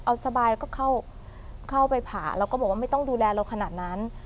เอาสบายแล้วก็เข้าไปผ่าเราก็บอกว่าไม่ต้องดูแลเราขนาดนั้น